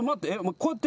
こうやって。